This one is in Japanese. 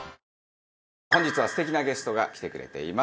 本日は素敵なゲストが来てくれています。